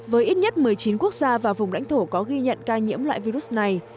với ít nhất một mươi chín quốc gia và vùng lãnh thổ có ghi nhận ca nhiễm loại virus này